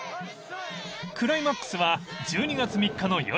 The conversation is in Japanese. ［クライマックスは１２月３日の夜］